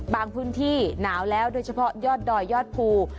พื้นที่หนาวแล้วโดยเฉพาะยอดดอยยอดภู